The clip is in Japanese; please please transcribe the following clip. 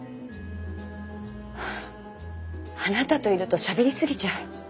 あっあなたといるとしゃべり過ぎちゃう。